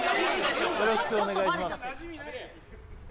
よろしくお願いします